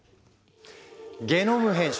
ゲノム編集